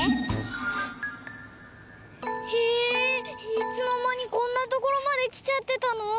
いつのまにこんなところまできちゃってたの？